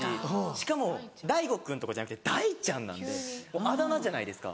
しかも大吾君とかじゃなくて大ちゃんなんであだ名じゃないですか。